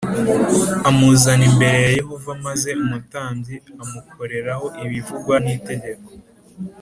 Amuzana imbere ya Yehova maze umutambyi amukorereho ibivugwa n’itegeko